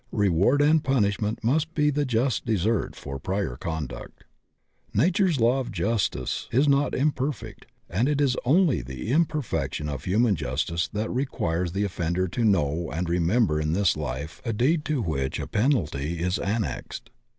Reward and punish ment must be the just desert for prior conduct. Nature's law of justice is not imperfect, and it is only the imperfection of himian justice that requires the offender to know and remember in this life a deed to which a penalty is annexed.